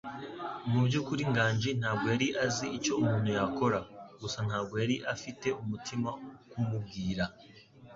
Mu byukuri, Nganji ntabwo yari azi icyo umuntu yakora; gusa ntabwo yari afite umutima wo kumubwira.